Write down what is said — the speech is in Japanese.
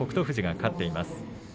富士が勝っています。